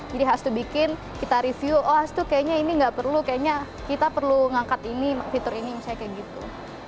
jadi hastu bikin kita review oh hastu kayaknya ini nggak perlu kayaknya kita perlu ngangkat ini fitur ini misalnya kayak gitu